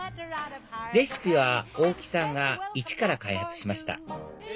レシピは大貴さんがイチから開発しました